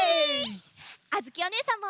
あづきおねえさんも。